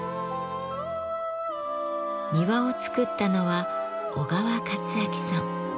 庭を作ったのは小川勝章さん。